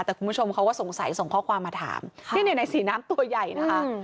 แต่คุณผู้ชมเขาก็สงสัยส่งข้อความมาถามนี่ในสีน้ำตัวใหญ่นะคะ